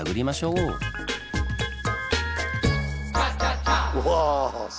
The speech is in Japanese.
うわ。